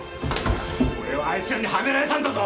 俺はあいつらにハメられたんだぞ！